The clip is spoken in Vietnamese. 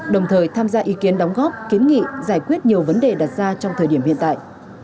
đồng thời tham gia ý kiến đóng góp kiến nghị giải quyết nhiều vấn đề đặt ra trong thời điểm hiện tại